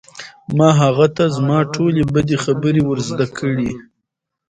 ما هغه ته زما ټولې بدې خبرې ور زده کړې